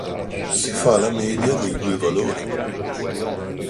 Si fa la media dei due valori.